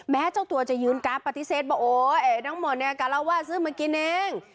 แม้เจ้าตัวจะยืนการปฏิเสธบอกโอ๊ยน้องหมดเนี่ยการาวาสซื้อมากินเอง